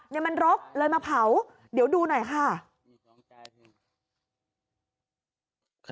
นี่มันรกเลยมาเผาเดี๋ยวดูหน่อยค่ะ